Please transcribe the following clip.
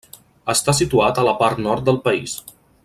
Està situat a la part nord del país.